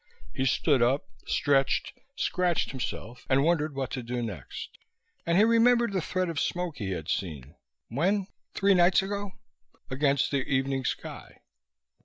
He stood up, stretched, scratched himself and wondered what to do next, and he remembered the thread of smoke he had seen when? three nights ago? against the evening sky.